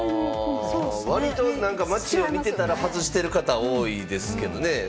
街を見てたら、外してる方が多いですけれどもね。